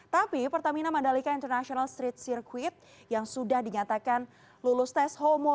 tapi pertamina mandalika international street circuit yang sudah dinyatakan lulus tes homo